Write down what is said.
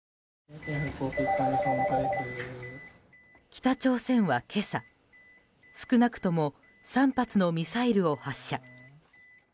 北朝鮮は今朝、少なくとも３発のミサイルを発射。